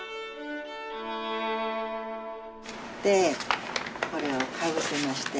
でこれをかぶせまして。